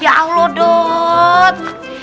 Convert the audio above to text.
ya allah dut